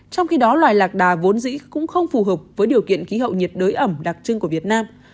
trong khi đó loài lạc đà vốn dĩ cũng không phù hợp với điều kiện khí hậu nhiệt đới ẩm đặc trưng của việt nam